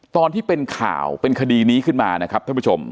ตอนที่เป็นข่าวเป็นคดีนี้ขึ้นมานะครับท่านผู้ชม